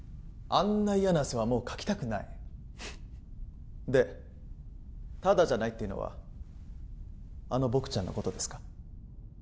あんな嫌な汗はもうかきたくないフフッでタダじゃないっていうのはあのボクちゃんのことですか？